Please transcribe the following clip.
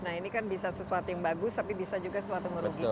nah ini kan bisa sesuatu yang bagus tapi bisa juga sesuatu yang merugikan